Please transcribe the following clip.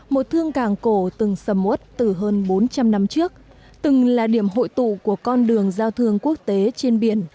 một thương cảng cổ từng sầm ốt từ hơn bốn trăm linh năm trước từng là điểm hội tụ của con đường giao thương quốc tế trên biển